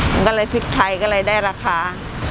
มันก็เลยพริกไทยก็เลยได้ราคา